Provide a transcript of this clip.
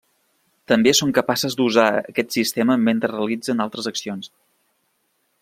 També són capaces d'usar aquest sistema mentre realitzen altres accions.